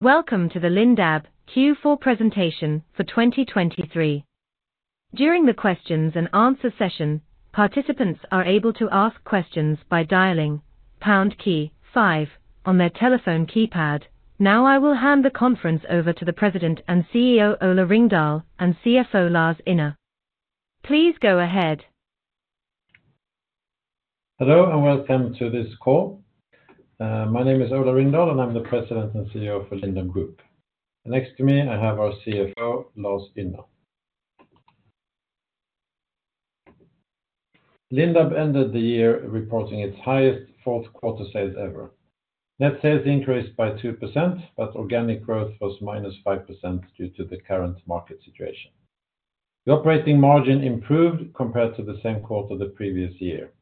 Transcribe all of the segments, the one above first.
Welcome to the Lindab Q4 presentation for 2023. During the questions and answer session, participants are able to ask questions by dialing pound key five on their telephone keypad. Now, I will hand the conference over to the President and CEO, Ola Ringdahl, and CFO, Lars Ynner. Please go ahead. Hello, and welcome to this call. My name is Ola Ringdahl, and I'm the President and CEO for Lindab Group. Next to me, I have our CFO, Lars Ynner. Lindab ended the year reporting its highest fourth quarter sales ever. Net sales increased by 2%, but organic growth was -5% due to the current market situation. The operating margin improved compared to the same quarter the previous year.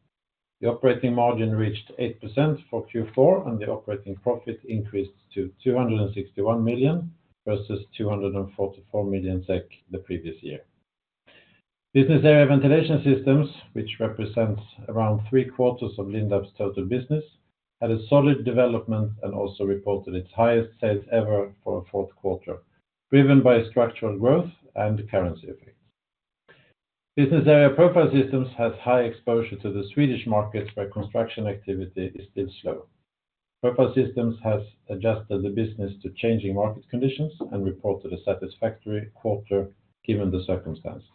The operating margin reached 8% for Q4, and the operating profit increased to 261 million versus 244 million SEK the previous year. Business area Ventilation Systems, which represents around three quarters of Lindab's total business, had a solid development and also reported its highest sales ever for a fourth quarter, driven by structural growth and currency effects. Business area Profile Systems has high exposure to the Swedish market, where construction activity is still slow. Profile Systems has adjusted the business to changing market conditions and reported a satisfactory quarter, given the circumstances.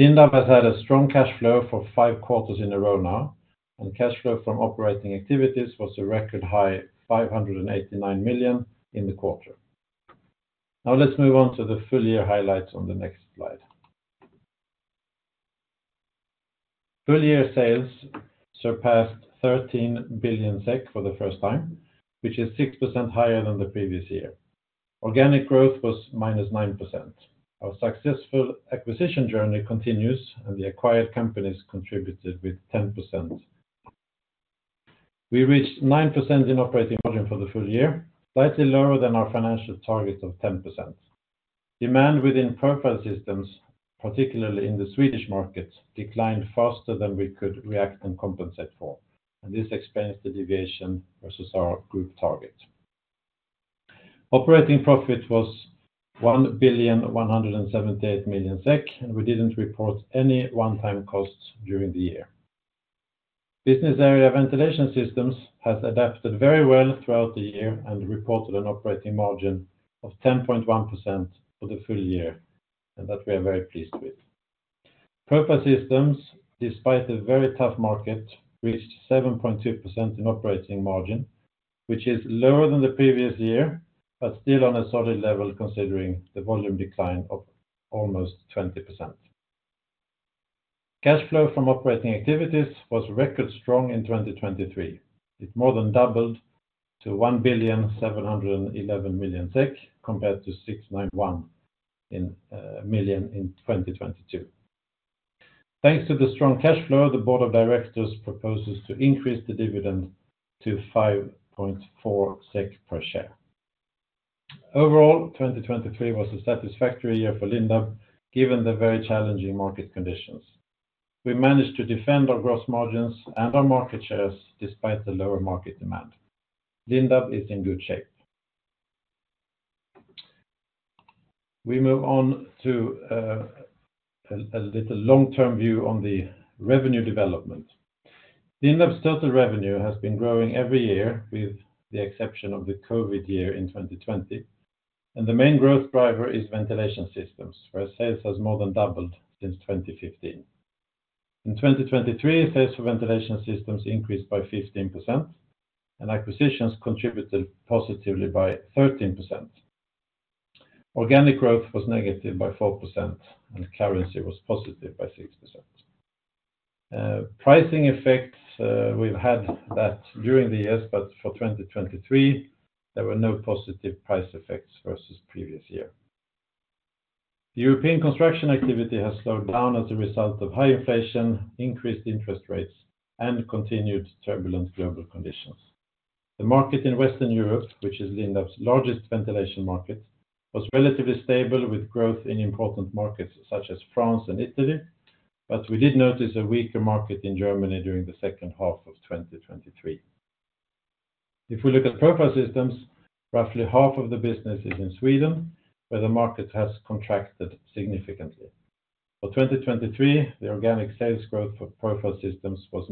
Lindab has had a strong cash flow for 5 quarters in a row now, and cash flow from operating activities was a record high, 589 million in the quarter. Now, let's move on to the full year highlights on the next slide. Full year sales surpassed 13 billion SEK for the first time, which is 6% higher than the previous year. Organic growth was -9%. Our successful acquisition journey continues, and the acquired companies contributed with 10%. We reached 9% in operating margin for the full year, slightly lower than our financial target of 10%. Demand within Profile Systems, particularly in the Swedish market, declined faster than we could react and compensate for, and this explains the deviation versus our group target. Operating profit was 1,178 million SEK, and we didn't report any one-time costs during the year. Business area Ventilation Systems has adapted very well throughout the year and reported an operating margin of 10.1% for the full year, and that we are very pleased with. Profile Systems, despite a very tough market, reached 7.2% in operating margin, which is lower than the previous year, but still on a solid level considering the volume decline of almost 20%. Cash flow from operating activities was record strong in 2023. It more than doubled to 1,711 million SEK, compared to 691 million in 2022. Thanks to the strong cash flow, the board of directors proposes to increase the dividend to 5.4 SEK per share. Overall, 2023 was a satisfactory year for Lindab, given the very challenging market conditions. We managed to defend our gross margins and our market shares despite the lower market demand. Lindab is in good shape. We move on to a little long-term view on the revenue development. Lindab's total revenue has been growing every year, with the exception of the COVID year in 2020, and the main growth driver is ventilation systems, where sales has more than doubled since 2015. In 2023, sales for ventilation systems increased by 15%, and acquisitions contributed positively by 13%. Organic growth was negative by 4%, and currency was positive by 6%. Pricing effects, we've had that during the years, but for 2023, there were no positive price effects versus previous year. The European construction activity has slowed down as a result of high inflation, increased interest rates, and continued turbulent global conditions. The market in Western Europe, which is Lindab's largest ventilation market, was relatively stable, with growth in important markets such as France and Italy, but we did notice a weaker market in Germany during the second half of 2023. If we look at Profile Systems, roughly half of the business is in Sweden, where the market has contracted significantly. For 2023, the organic sales growth for Profile Systems was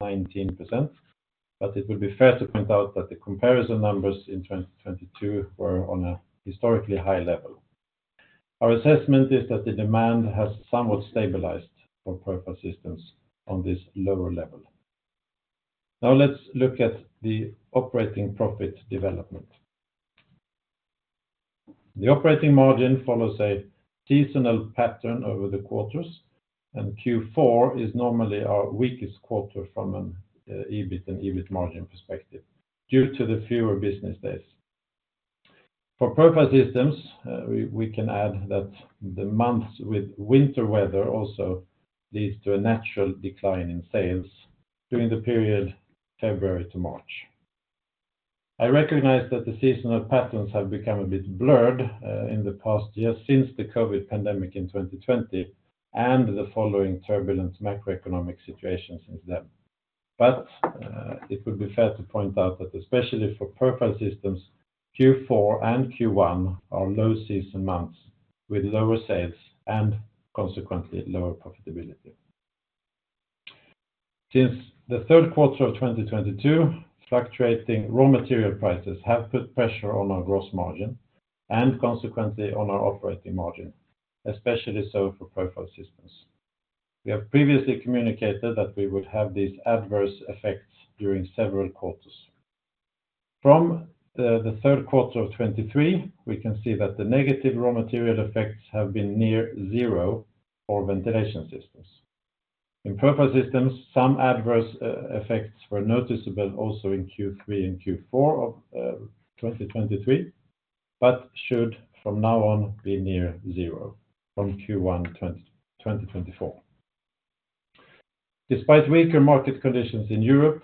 -19%, but it would be fair to point out that the comparison numbers in 2022 were on a historically high level. Our assessment is that the demand has somewhat stabilized for Profile Systems on this lower level. Now, let's look at the operating profit development. The operating margin follows a seasonal pattern over the quarters, and Q4 is normally our weakest quarter from an EBIT and EBIT margin perspective due to the fewer business days. For Profile Systems, we can add that the months with winter weather also leads to a natural decline in sales during the period February to March. I recognize that the seasonal patterns have become a bit blurred in the past years since the COVID pandemic in 2020 and the following turbulent macroeconomic situations since then. But, it would be fair to point out that especially for Profile Systems, Q4 and Q1 are low season months, with lower sales and consequently lower profitability. Since the third quarter of 2022, fluctuating raw material prices have put pressure on our gross margin and consequently on our operating margin, especially so for Profile Systems. We have previously communicated that we would have these adverse effects during several quarters. From the third quarter of 2023, we can see that the negative raw material effects have been near zero for Ventilation Systems. In Profile Systems, some adverse effects were noticeable also in Q3 and Q4 of 2023, but should from now on be near zero from Q1 2024. Despite weaker market conditions in Europe,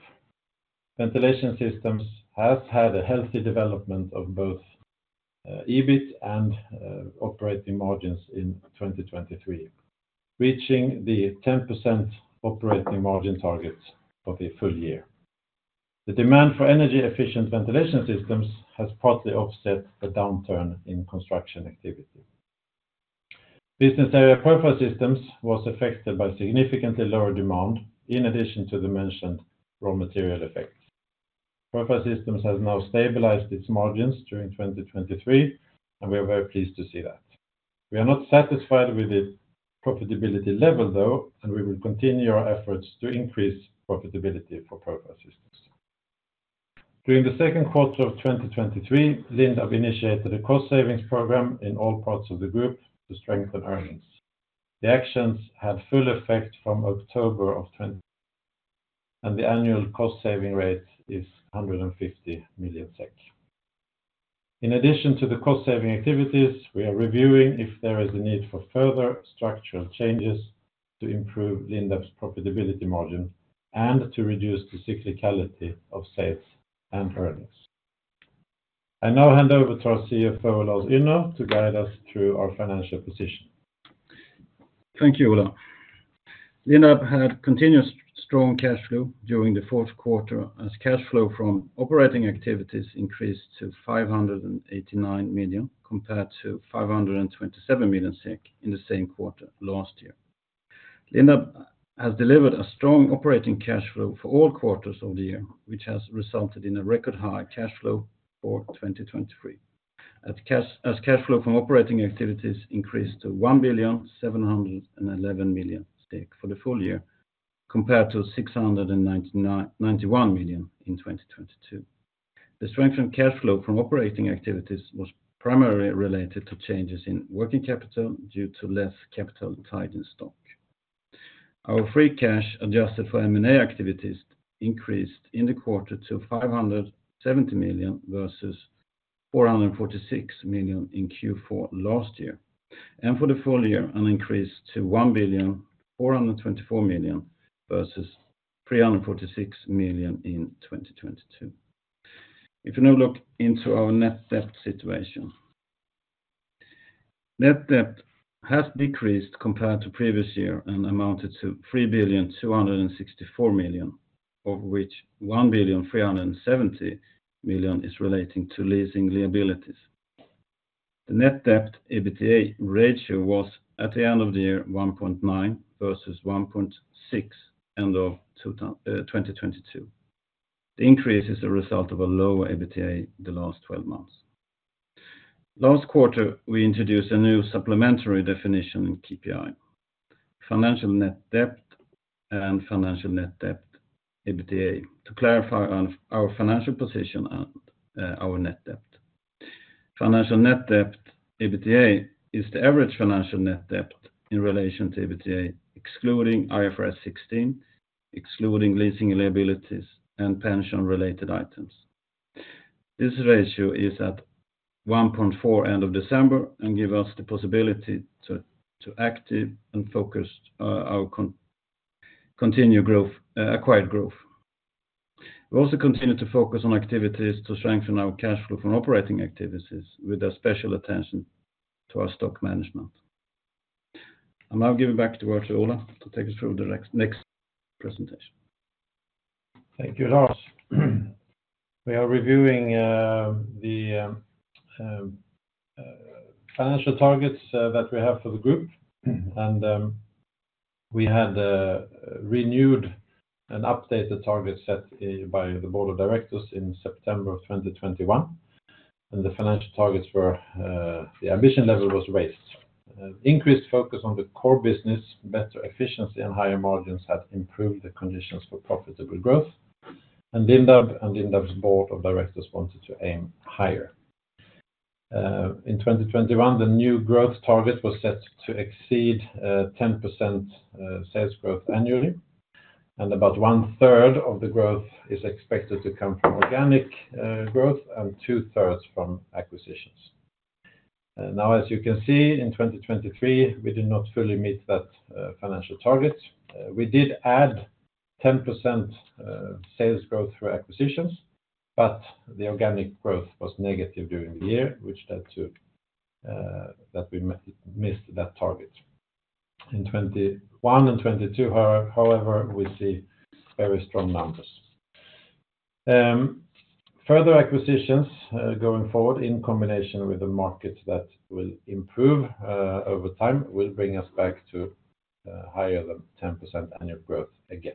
Ventilation Systems has had a healthy development of both EBIT and operating margins in 2023, reaching the 10% operating margin targets for the full year. The demand for energy-efficient ventilation systems has partly offset the downturn in construction activity. Business area Profile Systems was affected by significantly lower demand in addition to the mentioned raw material effects. Profile Systems has now stabilized its margins during 2023, and we are very pleased to see that. We are not satisfied with the profitability level, though, and we will continue our efforts to increase profitability for Profile Systems. During the second quarter of 2023, Lindab initiated a cost savings program in all parts of the group to strengthen earnings. The actions had full effect from October of 2020, and the annual cost saving rate is 150 million SEK. In addition to the cost-saving activities, we are reviewing if there is a need for further structural changes to improve Lindab's profitability margin and to reduce the cyclicality of sales and earnings. I now hand over to our CFO, Lars Ynner, to guide us through our financial position. Thank you, Ola. Lindab had continuous strong cash flow during the fourth quarter, as cash flow from operating activities increased to 589 million, compared to 527 million in the same quarter last year. Lindab has delivered a strong operating cash flow for all quarters of the year, which has resulted in a record high cash flow for 2023. As cash flow from operating activities increased to 1,711 million for the full year, compared to 691 million in 2022. The strength of cash flow from operating activities was primarily related to changes in working capital due to less capital tied in stock. Our free cash, adjusted for M&A activities, increased in the quarter to 570 million versus 446 million in Q4 last year, and for the full year, an increase to 1,424 million versus 346 million in 2022. If you now look into our net debt situation. Net debt has decreased compared to previous year and amounted to 3,264 million, of which 1,370 million is relating to leasing liabilities. The net debt EBITDA ratio was, at the end of the year, 1.9 versus 1.6, end of 2022. The increase is a result of a lower EBITDA the last twelve months. Last quarter, we introduced a new supplementary definition in KPI, financial net debt and financial net debt EBITDA, to clarify our financial position and our net debt. Financial net debt EBITDA is the average financial net debt in relation to EBITDA, excluding IFRS 16, excluding leasing liabilities and pension-related items. This ratio is at 1.4 end of December and gives us the possibility to actively and focus our continue growth, acquired growth. We also continue to focus on activities to strengthen our cash flow from operating activities with a special attention to our stock management. I now give it back to our Ola to take us through the next presentation. Thank you, Lars. We are reviewing the financial targets that we have for the group. We had renewed and updated the target set by the board of directors in September of 2021, and the financial targets were. The ambition level was raised. Increased focus on the core business, better efficiency, and higher margins had improved the conditions for profitable growth, and Lindab and Lindab's board of directors wanted to aim higher. In 2021, the new growth target was set to exceed 10% sales growth annually, and about one-third of the growth is expected to come from organic growth and two-thirds from acquisitions. Now, as you can see, in 2023, we did not fully meet that financial target. We did add-... 10% sales growth through acquisitions, but the organic growth was negative during the year, which led to that we missed that target. In 2021 and 2022, however, we see very strong numbers. Further acquisitions going forward in combination with the market that will improve over time will bring us back to higher than 10% annual growth again.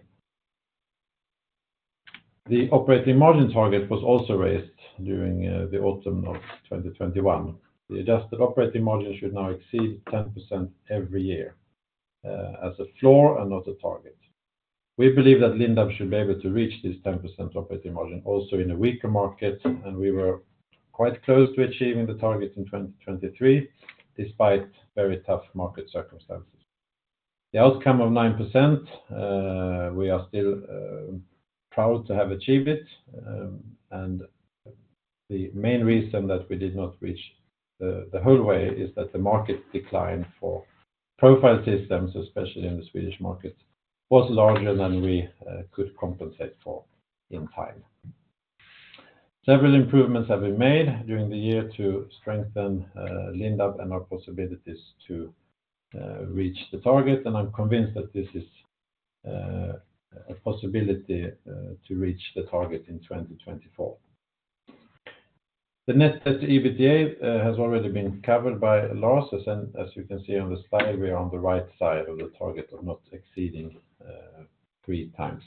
The operating margin target was also raised during the autumn of 2021. The adjusted operating margin should now exceed 10% every year as a floor and not a target. We believe that Lindab should be able to reach this 10% operating margin also in a weaker market, and we were quite close to achieving the target in 2023, despite very tough market circumstances. The outcome of 9%, we are still proud to have achieved it, and the main reason that we did not reach the whole way is that the market decline for Profile Systems, especially in the Swedish market, was larger than we could compensate for in time. Several improvements have been made during the year to strengthen Lindab and our possibilities to reach the target, and I'm convinced that this is a possibility to reach the target in 2024. The net debt to EBITDA has already been covered by Lars, as and as you can see on the slide, we are on the right side of the target of not exceeding three times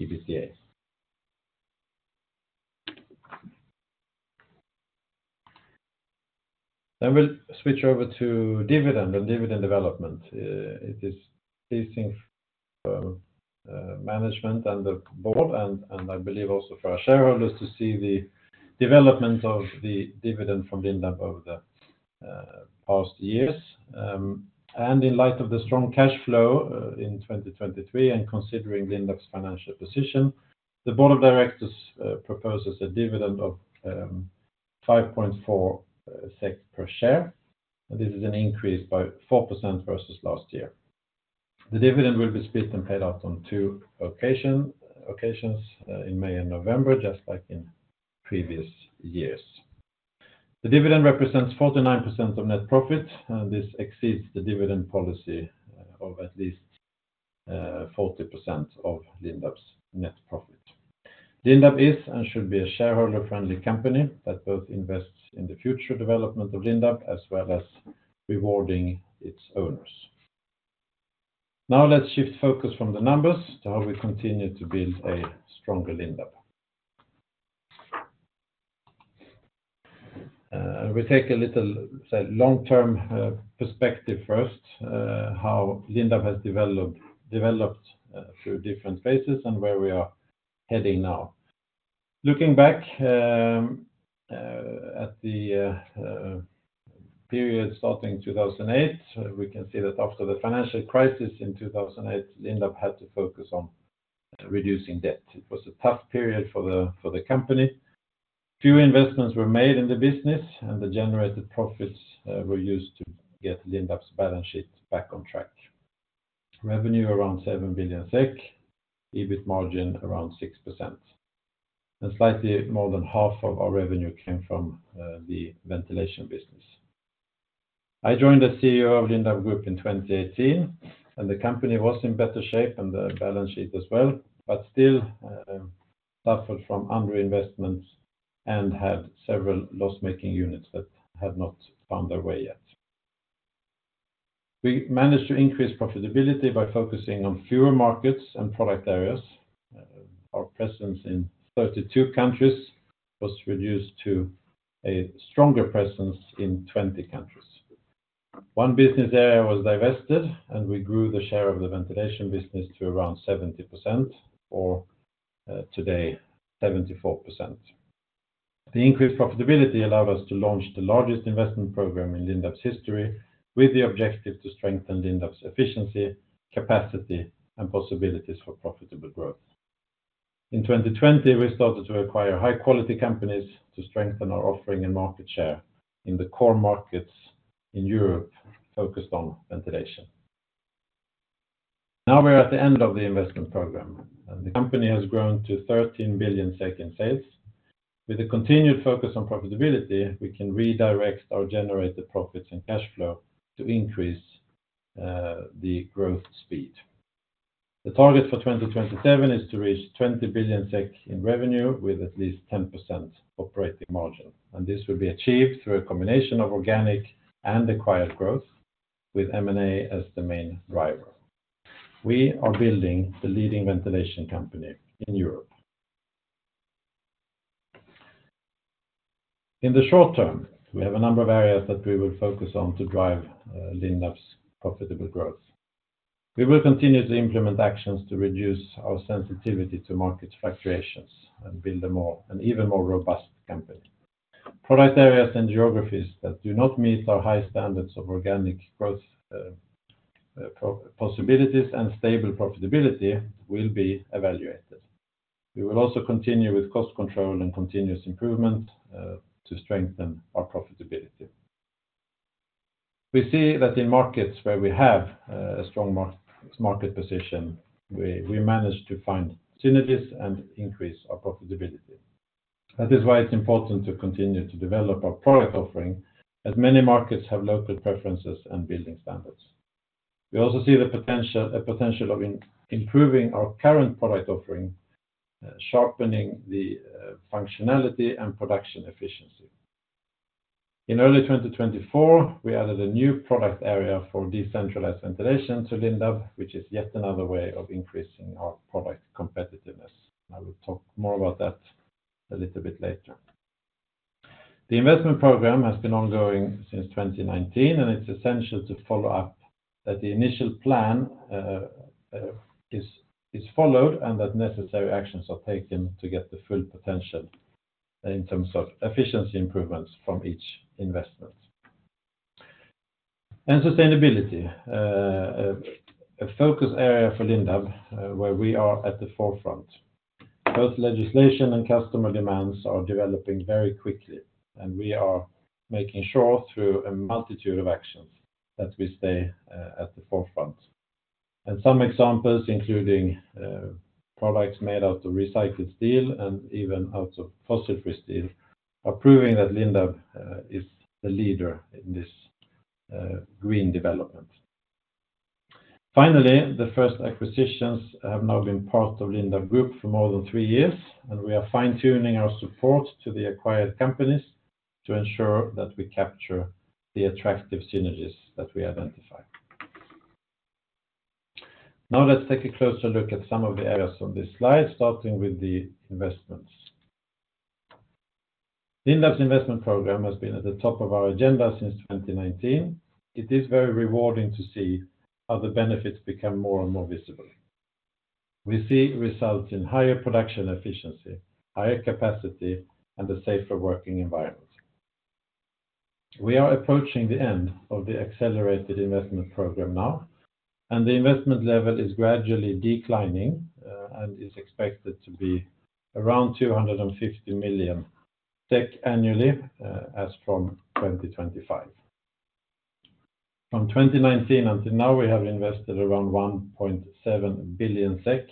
EBITDA. Then we'll switch over to dividend and dividend development. It is pleasing for management and the board and I believe also for our shareholders, to see the development of the dividend from Lindab over the past years. In light of the strong cash flow in 2023, and considering Lindab's financial position, the board of directors proposes a dividend of 5.4 SEK per share. This is an increase by 4% versus last year. The dividend will be split and paid out on 2 occasions in May and November, just like in previous years. The dividend represents 49% of net profit, and this exceeds the dividend policy of at least 40% of Lindab's net profit. Lindab is and should be a shareholder-friendly company that both invests in the future development of Lindab, as well as rewarding its owners. Now, let's shift focus from the numbers to how we continue to build a stronger Lindab. We take a little, say, long-term perspective first, how Lindab has developed through different phases and where we are heading now. Looking back, at the period starting 2008, we can see that after the financial crisis in 2008, Lindab had to focus on reducing debt. It was a tough period for the company. Few investments were made in the business, and the generated profits were used to get Lindab's balance sheet back on track. Revenue around 7 billion SEK, EBIT margin around 6%, and slightly more than half of our revenue came from the ventilation business. I joined as CEO of Lindab Group in 2018, and the company was in better shape and the balance sheet as well, but still, suffered from underinvestments and had several loss-making units that had not found their way yet. We managed to increase profitability by focusing on fewer markets and product areas. Our presence in 32 countries was reduced to a stronger presence in 20 countries. One business area was divested, and we grew the share of the ventilation business to around 70%, or, today, 74%. The increased profitability allowed us to launch the largest investment program in Lindab's history, with the objective to strengthen Lindab's efficiency, capacity, and possibilities for profitable growth. In 2020, we started to acquire high-quality companies to strengthen our offering and market share in the core markets in Europe, focused on ventilation. Now we're at the end of the investment program, and the company has grown to 13 billion in sales. With a continued focus on profitability, we can redirect our generated profits and cash flow to increase the growth speed. The target for 2027 is to reach 20 billion SEK in revenue with at least 10% operating margin, and this will be achieved through a combination of organic and acquired growth, with M&A as the main driver. We are building the leading ventilation company in Europe. In the short term, we have a number of areas that we will focus on to drive Lindab's profitable growth. We will continue to implement actions to reduce our sensitivity to market fluctuations and build a more, an even more robust company. Product areas and geographies that do not meet our high standards of organic growth, product possibilities and stable profitability will be evaluated. We will also continue with cost control and continuous improvement to strengthen our profitability. We see that in markets where we have a strong market position, we, we manage to find synergies and increase our profitability. That is why it's important to continue to develop our product offering, as many markets have local preferences and building standards. We also see the potential, a potential of improving our current product offering, sharpening the functionality and production efficiency. In early 2024, we added a new product area for decentralized ventilation to Lindab, which is yet another way of increasing our product competitiveness. I will talk more about that a little bit later. The investment program has been ongoing since 2019, and it's essential to follow up that the initial plan is followed, and that necessary actions are taken to get the full potential in terms of efficiency improvements from each investment. Sustainability, a focus area for Lindab, where we are at the forefront. Both legislation and customer demands are developing very quickly, and we are making sure through a multitude of actions that we stay at the forefront. Some examples, including products made out of recycled steel and even out of fossil-free steel, are proving that Lindab is a leader in this green development. Finally, the first acquisitions have now been part of Lindab Group for more than three years, and we are fine-tuning our support to the acquired companies to ensure that we capture the attractive synergies that we identify. Now, let's take a closer look at some of the areas on this slide, starting with the investments. Lindab's investment program has been at the top of our agenda since 2019. It is very rewarding to see how the benefits become more and more visible. We see results in higher production efficiency, higher capacity, and a safer working environment. We are approaching the end of the accelerated investment program now, and the investment level is gradually declining, and is expected to be around 250 million SEK annually, as from 2025. From 2019 until now, we have invested around 1.7 billion SEK.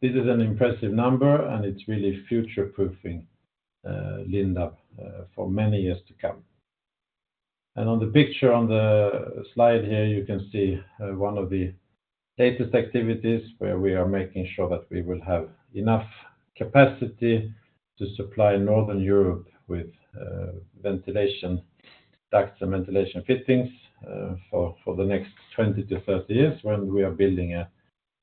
This is an impressive number, and it's really future-proofing Lindab for many years to come. On the picture on the slide here, you can see one of the latest activities where we are making sure that we will have enough capacity to supply Northern Europe with ventilation ducts and ventilation fittings for the next 20-30 years, when we are building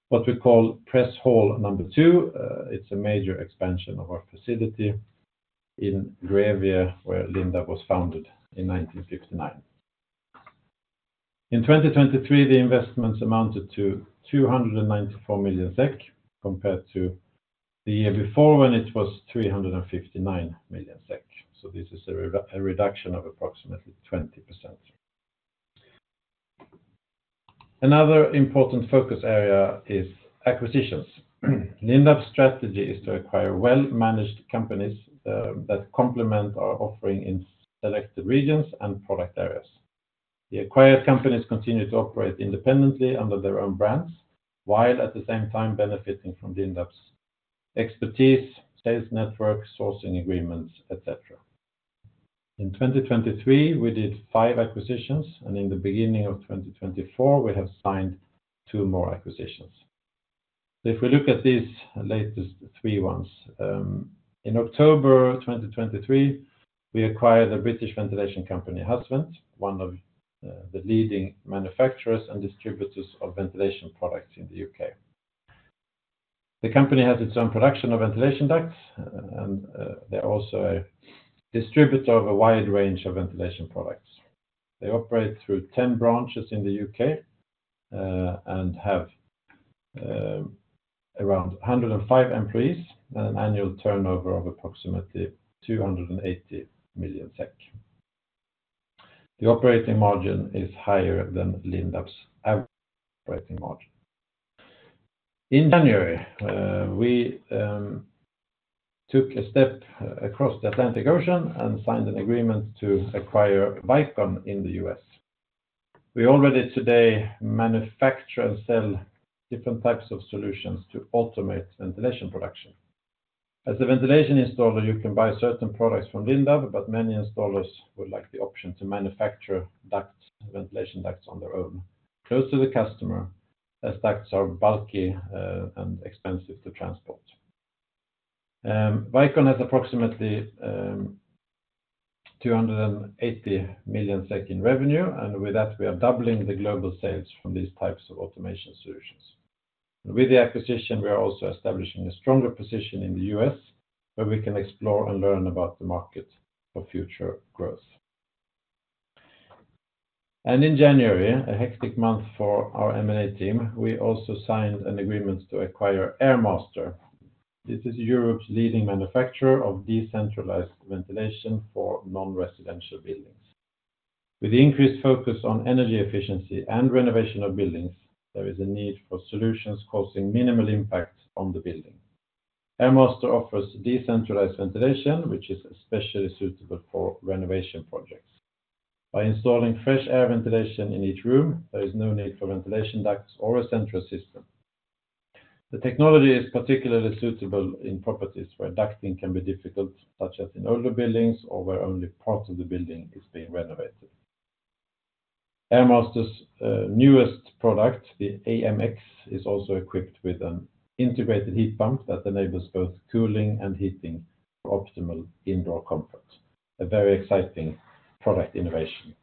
what we call Press Hall number two. It's a major expansion of our facility in Grevie, where Lindab was founded in 1959. In 2023, the investments amounted to 294 million SEK, compared to the year before, when it was 359 million SEK. This is a reduction of approximately 20%. Another important focus area is acquisitions. Lindab's strategy is to acquire well-managed companies that complement our offering in selected regions and product areas. The acquired companies continue to operate independently under their own brands, while at the same time benefiting from Lindab's expertise, sales network, sourcing agreements, et cetera. In 2023, we did 5 acquisitions, and in the beginning of 2024, we have signed 2 more acquisitions. If we look at these latest 3 ones, in October 2023, we acquired a British ventilation company, Hasvent, one of the leading manufacturers and distributors of ventilation products in the U.K. The company has its own production of ventilation ducts, and they're also a distributor of a wide range of ventilation products. They operate through 10 branches in the U.K., and have around 105 employees, and an annual turnover of approximately 280 million SEK. The operating margin is higher than Lindab's average operating margin. In January, we took a step across the Atlantic Ocean and signed an agreement to acquire Vicon in the U.S. We already today manufacture and sell different types of solutions to automate ventilation production. As a ventilation installer, you can buy certain products from Lindab, but many installers would like the option to manufacture ducts, ventilation ducts on their own, close to the customer, as ducts are bulky, and expensive to transport. Vicon has approximately 280 million SEK in revenue, and with that, we are doubling the global sales from these types of automation solutions. With the acquisition, we are also establishing a stronger position in the U.S., where we can explore and learn about the market for future growth. And in January, a hectic month for our M&A team, we also signed an agreement to acquire Airmaster. This is Europe's leading manufacturer of decentralized ventilation for non-residential buildings. With increased focus on energy efficiency and renovation of buildings, there is a need for solutions causing minimal impact on the building... Airmaster offers decentralized ventilation, which is especially suitable for renovation projects. By installing fresh air ventilation in each room, there is no need for ventilation ducts or a central system. The technology is particularly suitable in properties where ducting can be difficult, such as in older buildings or where only part of the building is being renovated. Airmaster's newest product, the AMX, is also equipped with an integrated heat pump that enables both cooling and heating for optimal indoor comfort. A very exciting product innovation.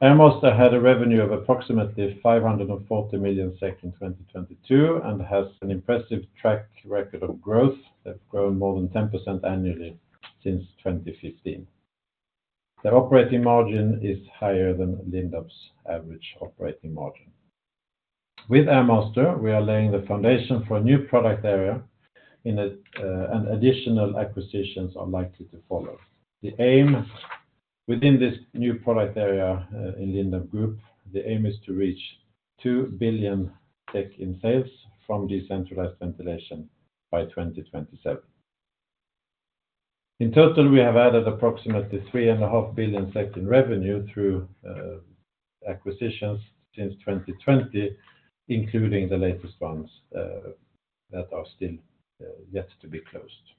Airmaster had a revenue of approximately 540 million SEK in 2022, and has an impressive track record of growth. They've grown more than 10% annually since 2015. Their operating margin is higher than Lindab's average operating margin. With Airmaster, we are laying the foundation for a new product area and additional acquisitions are likely to follow. The aim within this new product area in Lindab Group, the aim is to reach 2 billion in sales from decentralized ventilation by 2027. In total, we have added approximately 3.5 billion in revenue through acquisitions since 2020, including the latest ones that are still yet to be closed.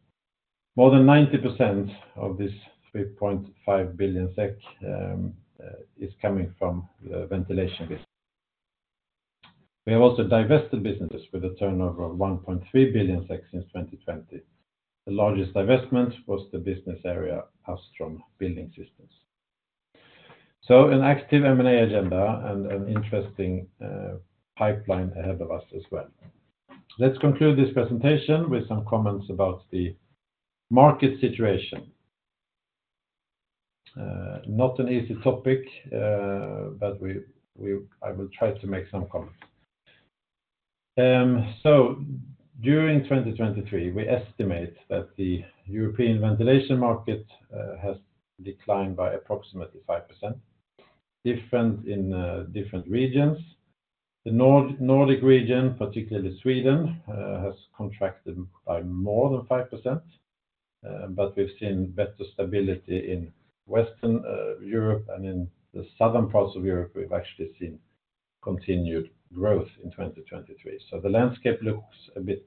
More than 90% of this 3.5 billion SEK is coming from the ventilation business. We have also divested businesses with a turnover of 1.3 billion since 2020. The largest divestment was the business area, Astron Building Systems. So an active M&A agenda and an interesting pipeline ahead of us as well. Let's conclude this presentation with some comments about the market situation. Not an easy topic, but I will try to make some comments. So during 2023, we estimate that the European ventilation market has declined by approximately 5%, different in different regions. The Nordic region, particularly Sweden, has contracted by more than 5%, but we've seen better stability in Western Europe and in the Southern parts of Europe, we've actually seen continued growth in 2023. So the landscape looks a bit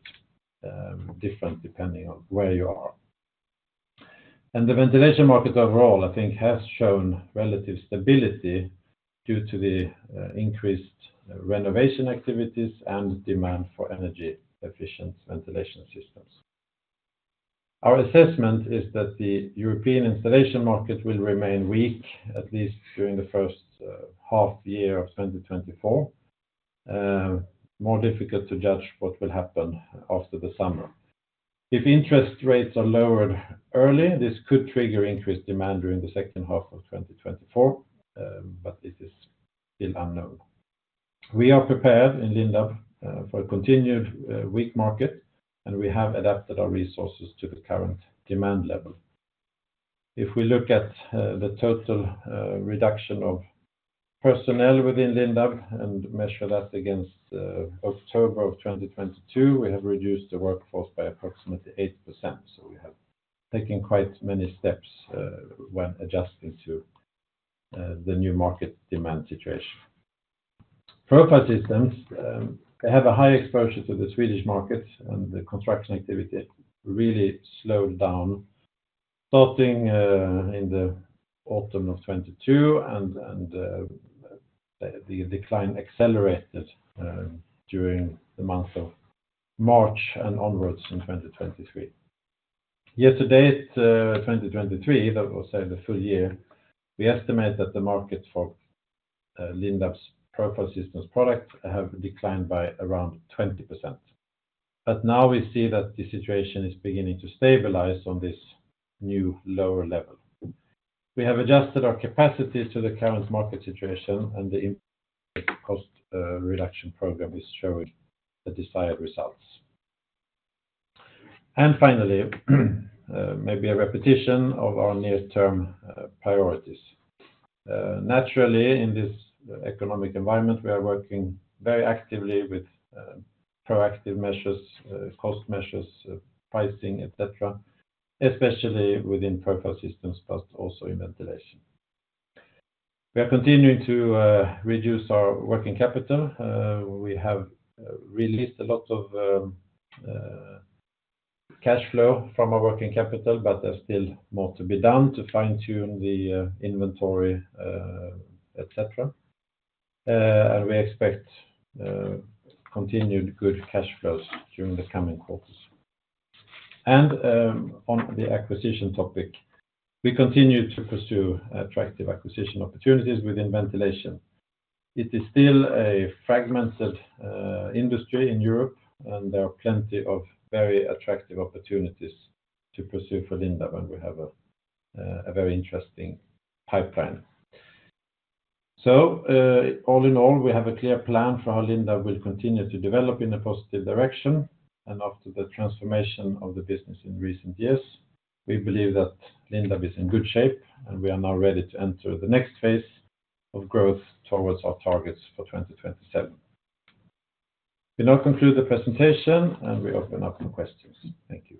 different depending on where you are. The ventilation market overall, I think, has shown relative stability due to the increased renovation activities and demand for energy-efficient ventilation systems. Our assessment is that the European installation market will remain weak, at least during the first half year of 2024. More difficult to judge what will happen after the summer. If interest rates are lowered early, this could trigger increased demand during the second half of 2024, but it is still unknown. We are prepared in Lindab for a continued weak market, and we have adapted our resources to the current demand level. If we look at the total reduction of personnel within Lindab and measure that against October of 2022, we have reduced the workforce by approximately 8%. So we have taken quite many steps when adjusting to the new market demand situation. Profile Systems, they have a high exposure to the Swedish market, and the construction activity really slowed down, starting in the autumn of 2022, and the decline accelerated during the month of March and onwards in 2023. Year to date, 2023, that will say the full year, we estimate that the market for Lindab's Profile Systems product have declined by around 20%. But now we see that the situation is beginning to stabilize on this new, lower level. We have adjusted our capacity to the current market situation, and the cost reduction program is showing the desired results. And finally, maybe a repetition of our near-term priorities. Naturally, in this economic environment, we are working very actively with proactive measures, cost measures, pricing, et cetera, especially within Profile Systems, but also in ventilation. We are continuing to reduce our working capital. We have released a lot of cash flow from our working capital, but there's still more to be done to fine-tune the inventory, et cetera. And we expect continued good cash flows during the coming quarters. And on the acquisition topic, we continue to pursue attractive acquisition opportunities within ventilation. It is still a fragmented industry in Europe, and there are plenty of very attractive opportunities to pursue for Lindab, and we have a very interesting pipeline. So, all in all, we have a clear plan for how Lindab will continue to develop in a positive direction. After the transformation of the business in recent years, we believe that Lindab is in good shape, and we are now ready to enter the next phase of growth towards our targets for 2027. We now conclude the presentation, and we open up for questions. Thank you.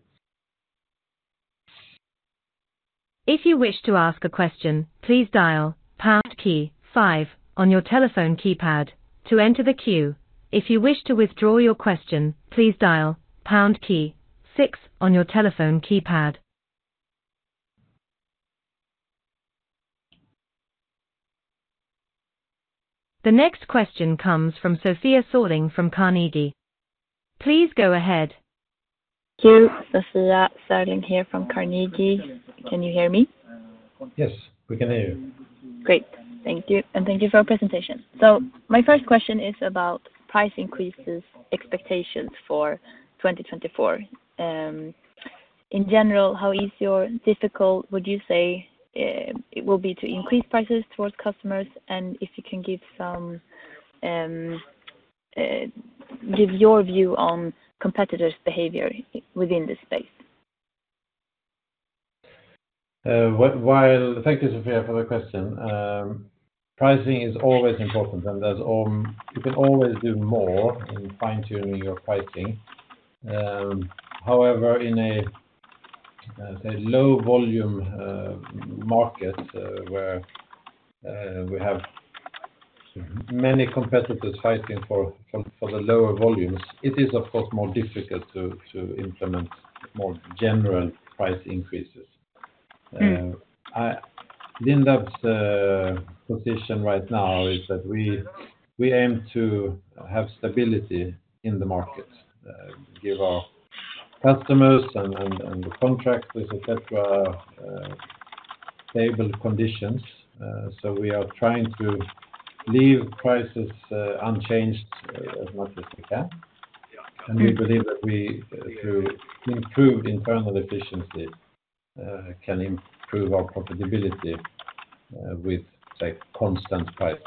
If you wish to ask a question, please dial pound key five on your telephone keypad to enter the queue. If you wish to withdraw your question, please dial pound key six on your telephone keypad. The next question comes from Sofia Sorling from Carnegie. Please go ahead. Thank you. Sofia Sorling here from Carnegie. Can you hear me? Yes, we can hear you. Great. Thank you, and thank you for our presentation. So my first question is about price increases expectations for 2024. In general, how easy or difficult would you say it will be to increase prices towards customers, and if you can give your view on competitors' behavior within this space? Thank you, Sophia, for the question. Pricing is always important, and there's, you can always do more in fine-tuning your pricing. However, in a low volume market, where we have many competitors fighting for the lower volumes, it is, of course, more difficult to implement more general price increases. Mm. Lindab's position right now is that we aim to have stability in the market, give our customers and the contractors, et cetera, stable conditions. So we are trying to leave prices unchanged, as much as we can. And we believe that we, through improved internal efficiency, can improve our profitability, with, say, constant pricing.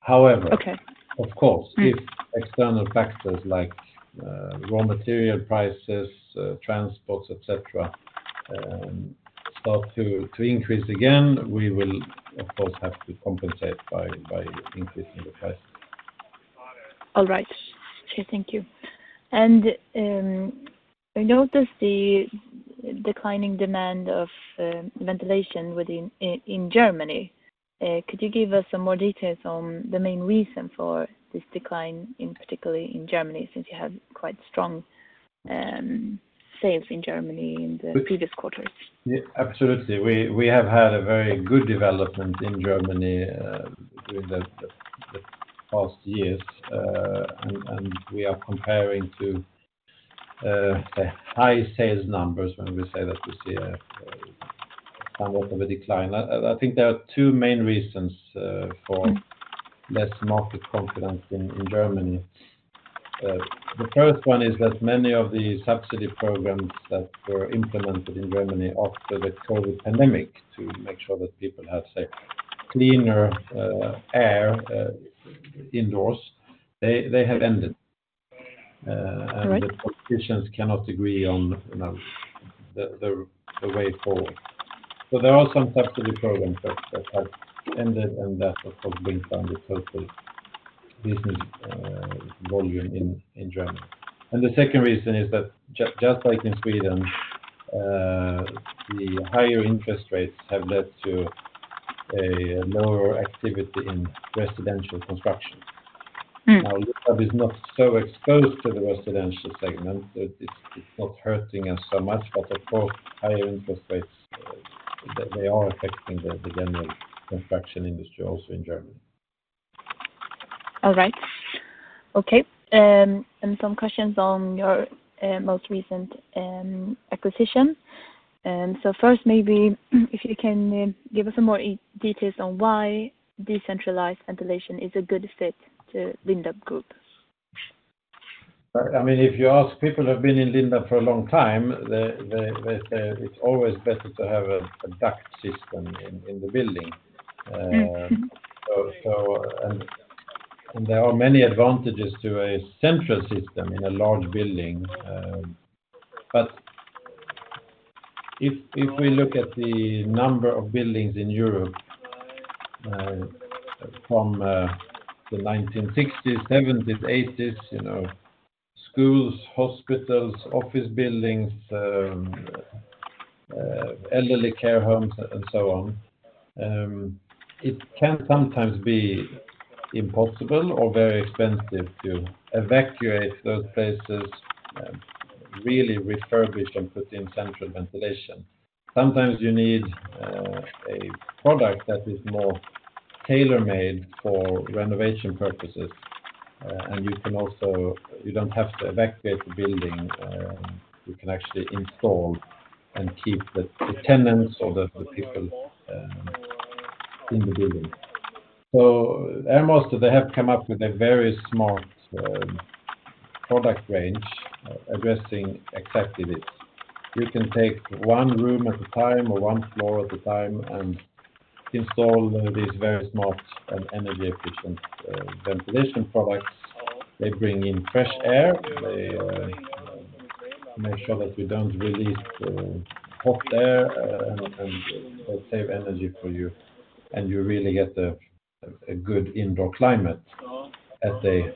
However- Okay. Of course, if external factors like raw material prices, transports, et cetera, start to increase again, we will of course have to compensate by increasing the prices. All right. Okay, thank you. And I noticed the declining demand of ventilation in Germany. Could you give us some more details on the main reason for this decline, particularly in Germany, since you have quite strong sales in Germany in the previous quarters? Yeah, absolutely. We have had a very good development in Germany during the past years, and we are comparing to the high sales numbers when we say that we see somewhat of a decline. I think there are two main reasons for- Mm... less market confidence in, in Germany. The first one is that many of the subsidy programs that were implemented in Germany after the COVID pandemic, to make sure that people have, say, cleaner air indoors, they, they have ended. Right. The politicians cannot agree on, you know, the way forward. There are some subsidy programs that have ended, and that of course brings down the total business volume in Germany. The second reason is that just like in Sweden, the higher interest rates have led to a lower activity in residential construction. Mm. Now, this is not so exposed to the residential segment, that it's not hurting us so much, but of course, higher interest rates, they are affecting the general construction industry also in Germany. All right. Okay, and some questions on your most recent acquisition. And so first, maybe if you can give us some more details on why decentralized ventilation is a good fit to Lindab Group. I mean, if you ask people who have been in Lindab for a long time, they say it's always better to have a duct system in the building. Mm. There are many advantages to a central system in a large building, but if we look at the number of buildings in Europe, from the 1960s, 1970s, 1980s, you know, schools, hospitals, office buildings, elderly care homes, and so on, it can sometimes be impossible or very expensive to evacuate those places and really refurbish and put in central ventilation. Sometimes you need a product that is more tailor-made for renovation purposes, and you can also, you don't have to evacuate the building, you can actually install and keep the tenants or the people in the building. So Airmaster, they have come up with a very smart product range addressing exactly this. You can take one room at a time, or one floor at a time, and install these very smart and energy-efficient ventilation products. They bring in fresh air, they make sure that we don't release hot air, and save energy for you, and you really get a good indoor climate at a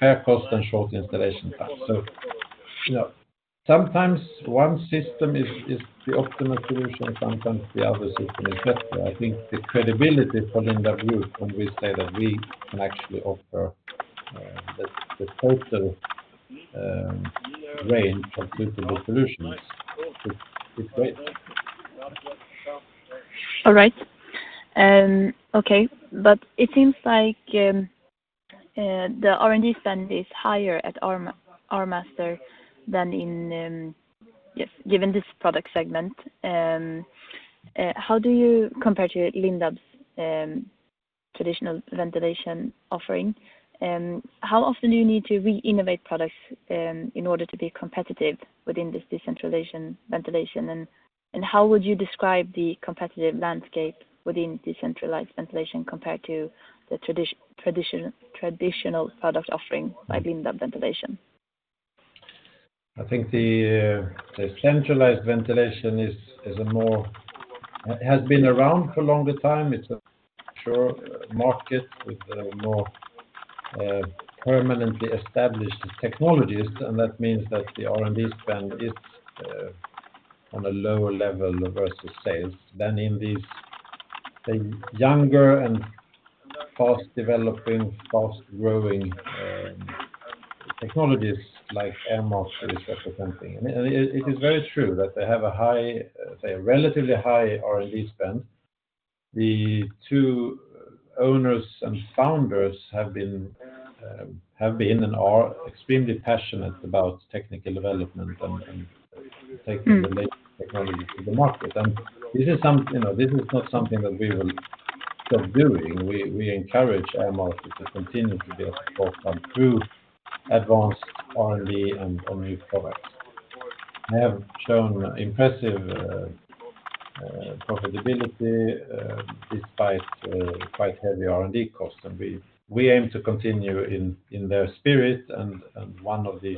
fair cost and short installation time. So, you know, sometimes one system is the optimal solution, sometimes the other system is better. I think the credibility for Lindab Group, when we say that we can actually offer the total range of digital solutions, is great. All right. Okay, but it seems like, the R&D spend is higher at Airmaster than in, given this product segment. How do you compare to Lindab's traditional ventilation offering? How often do you need to re-innovate products, in order to be competitive within this decentralized ventilation? And, how would you describe the competitive landscape within decentralized ventilation compared to the traditional product offering by Lindab Ventilation? I think the centralized ventilation is a more, has been around for a longer time. It's a mature market with a more permanently established technologies, and that means that the R&D spend is on a lower level versus sales than in the younger and fast-developing, fast-growing technologies like Airmaster is representing. And it is very true that they have a relatively high R&D spend. The two owners and founders have been and are extremely passionate about technical development and Mm. -taking the latest technology to the market. And this is some, you know, this is not something that we will stop doing. We encourage Airmaster to continue to be a support through advanced R&D and new products. They have shown impressive profitability despite quite heavy R&D costs, and we aim to continue in their spirit, and one of the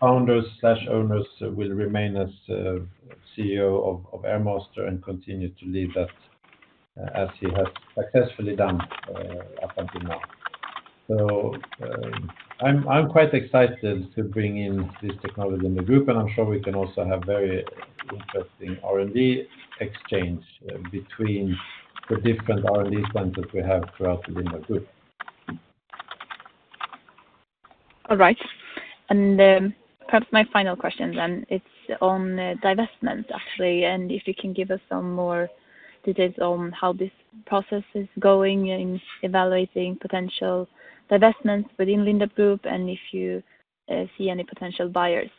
founders/owners will remain as CEO of Airmaster and continue to lead that as he has successfully done up until now. So, I'm quite excited to bring in this technology in the group, and I'm sure we can also have very interesting R&D exchange between the different R&D centers we have throughout the Lindab group. All right. And, perhaps my final question then, it's on, divestment, actually, and if you can give us some more details on how this process is going in evaluating potential divestments within Lindab Group, and if you see any potential buyers?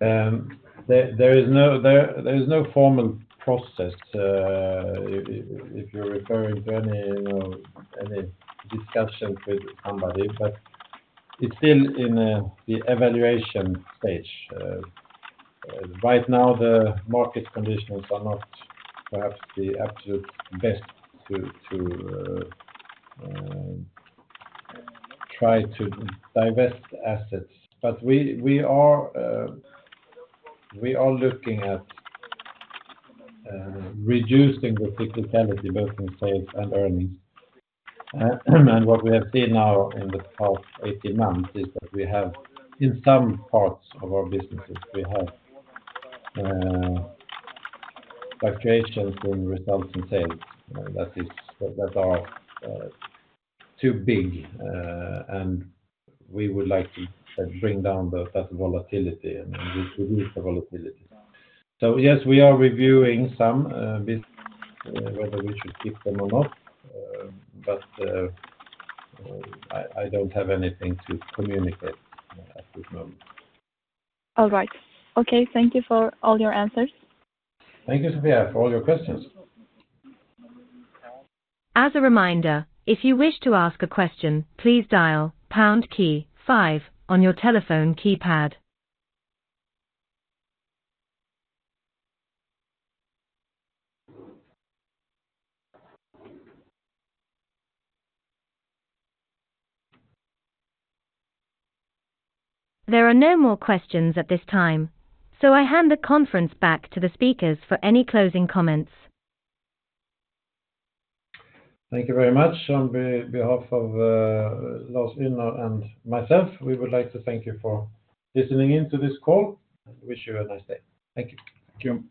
There is no formal process, if you're referring to any, you know, any discussion with somebody, but it's still in the evaluation stage. Right now, the market conditions are not perhaps the absolute best to try to divest assets, but we are looking at reducing the cyclicality, both in sales and earnings. And what we have seen now in the past 18 months is that we have, in some parts of our businesses, we have fluctuations in results and sales, that are too big, and we would like to bring down the volatility and reduce the volatility. So yes, we are reviewing some businesses whether we should keep them or not, but I don't have anything to communicate at this moment. All right. Okay, thank you for all your answers. Thank you, Sophia, for all your questions. As a reminder, if you wish to ask a question, please dial pound key five on your telephone keypad. There are no more questions at this time, so I hand the conference back to the speakers for any closing comments. Thank you very much. On behalf of Lars Ynner and myself, we would like to thank you for listening in to this call. I wish you a nice day. Thank you. Thank you.